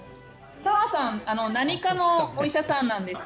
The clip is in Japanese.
サワさん何科のお医者さんなんですか？